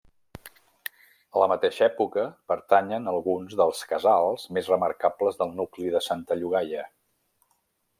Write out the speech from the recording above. A la mateixa època pertanyen alguns dels casals més remarcables del nucli de Santa Llogaia.